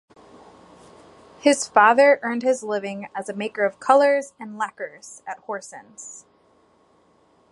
His father earned his living as a maker of colours and lacquers at Horsens.